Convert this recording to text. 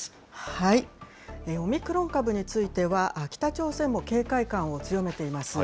オミクロン株については、北朝鮮も警戒感を強めています。